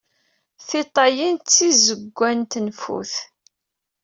Tiṭṭawin d tizewwa n tneffut.